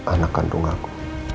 anak kandung aku